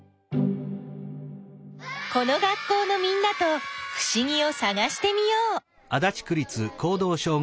この学校のみんなとふしぎをさがしてみよう。